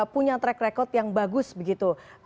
punya track record yang bagus begitu